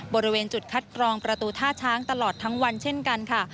บริเวณจุดคัดกรองประตูท่าช้างตลอดทั้งวันเช่นกันค่ะ